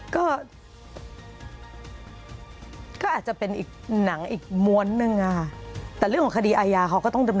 ก็อาจจะเป็นอีกหนังอีกม้วนหนึ่ง